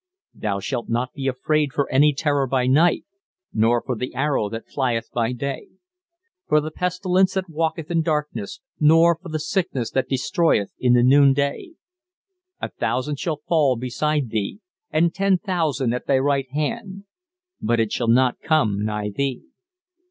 "Thou shalt not be afraid for any terror by night: nor for the arrow that flieth by day; "For the pestilence that walketh in darkness: nor for the sickness that destroyeth in the noon day. "A thousand shall fall beside thee, and ten thousand at thy right hand: but it shall not come nigh thee.